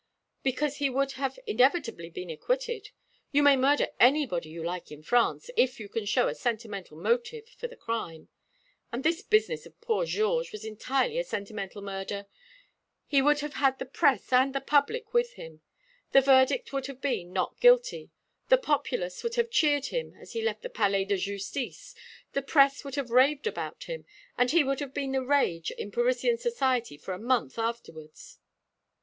"Because he would have inevitably been acquitted. You may murder anybody you like in France, if you can show a sentimental motive for the crime; and this business of poor Georges was entirely a sentimental murder. He would have had the press and the public with him. The verdict would have been 'Not Guilty.' The populace would have cheered him as he left the Palais de Justice, the press would have raved about him, and he would have been the rage in Parisian society for a month afterwards."